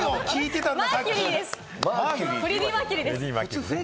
フレディ・マーキュリーです。